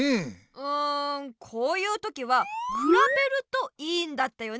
うんこういう時はくらべるといいんだったよね。